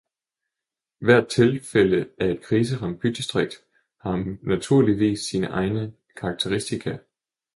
Hvert tilfælde af et kriseramt bydistrikt har naturligvis sine egne karakteristika.